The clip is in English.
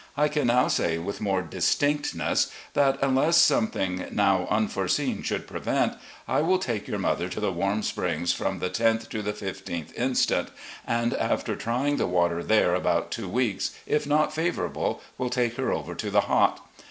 I can now say with more distinctness that, unless something now unforeseen 318 MRS. R. E. LEE 319 should prevent, I will take your mother to the Warm Springs, from the loth to the 15th inst., and after trjdng the water there about two weeks, if not favourable, will take her over to the Hot.